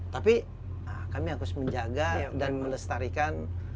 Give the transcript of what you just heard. tapi kami harus menjaga dan melestarikan